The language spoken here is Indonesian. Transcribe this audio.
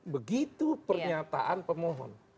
begitu pernyataan pemohon